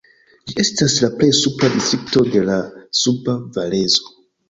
Ĝi estas la plej supra distrikto de la Suba Valezo.